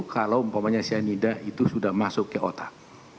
kalau umpamanya cyanida itu sudah masuk ke otak